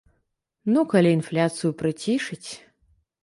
Ну, калі інфляцыю прыцішыць.